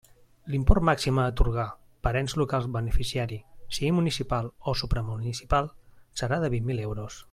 L'import màxim a atorgar per ens local beneficiari, sigui municipal o supramunicipal, serà de vint mil euros.